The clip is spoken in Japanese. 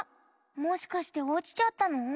もしかしておちちゃったの？